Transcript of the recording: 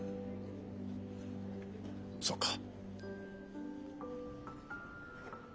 そうか。